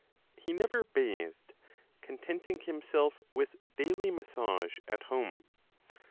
He never bathed, contenting himself, with daily massage at home.